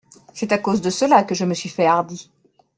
C’est à cause de cela que je me suis fait hardi !